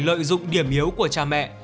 lợi dụng điểm yếu của cha mẹ